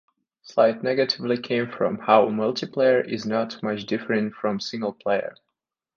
Slight negativity came from how multiplayer is not much different from singleplayer.